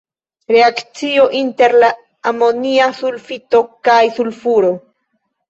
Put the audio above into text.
Reakcio inter la amonia sulfito kaj sulfuro.